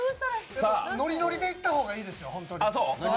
ノリノリでいった方がいいですよ、ホントに。